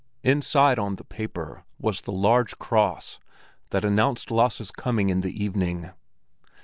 Inside on the paper, was the large cross that announced Lasse's coming in the evening.